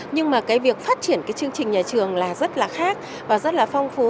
nhưng mà cái việc phát triển cái chương trình nhà trường là rất là khác và rất là phong phú